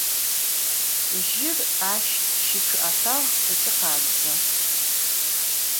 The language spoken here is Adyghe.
Jır aş şıççı'etağ ıç'i khabze.